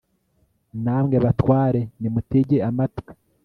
namwe batware, nimutege amatwi